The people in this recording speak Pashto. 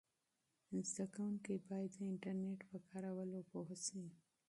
زده کوونکي باید د انټرنیټ په کارولو پوه سي.